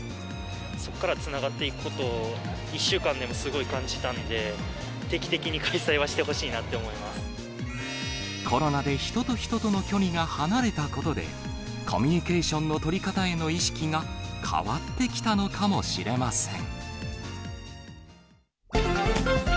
そこからつながっていくことを、１週間でもすごい感じたんで、定期的に開催はしてほしいなってコロナで人と人との距離が離れたことで、コミュニケーションの取り方への意識が、変わってきたのかもしれません。